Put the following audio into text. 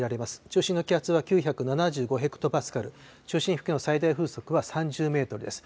中心の気圧は９７５ヘクトパスカル、中心付近の最大風速は３０メートルです。